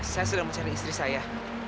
saya sudah mencari istri saya